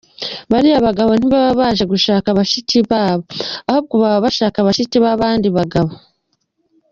Bariya bagabo ntibaba baje gusura bashiki babo ahubwo baba bashaka bashiki b’abandi bagabo.